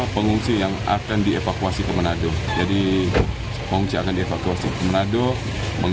masyarakat itu merasa aman